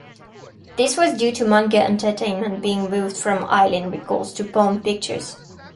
This was due to Manga Entertainment being moved from Island Records to Palm Pictures.